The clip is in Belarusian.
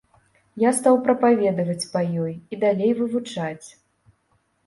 Я стаў прапаведаваць па ёй і далей вывучаць.